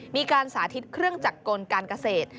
มีการสาธิตเครื่องจักรกลการเกษตร